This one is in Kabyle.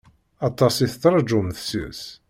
Aṭas i tettṛaǧum seg-s.